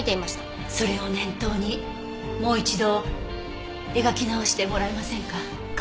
それを念頭にもう一度描き直してもらえませんか？